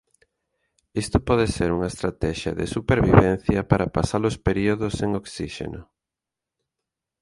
Isto pode ser unha estratexia de supervivencia para pasar os períodos sen oxíxeno.